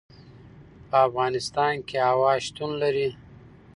په افغانستان کې هوا شتون لري.